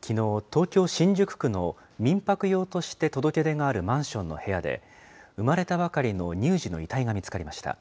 きのう、東京・新宿区の民泊用として届け出があるマンションの部屋で、産まれたばかりの乳児の遺体が見つかりました。